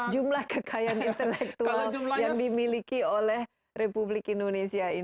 jumlah kekayaan intelektual yang dimiliki oleh republik indonesia ini